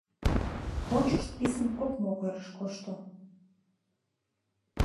Почышт писын кок могырыш кошто.